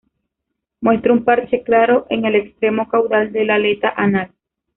Muestra un parche claro en el extremo caudal de la aleta anal.